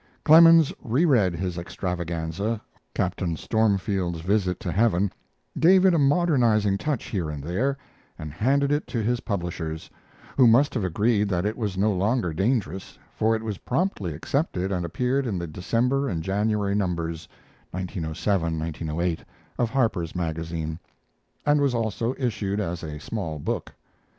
Clemens re read his extravaganza, Captain Stormfields Visit to Heaven, gave it a modernizing touch here and there, and handed it to his publishers, who must have agreed that it was no longer dangerous, for it was promptly accepted and appeared in the December and January numbers (1907 8) of Harper's Magazine, and was also issued as a small book.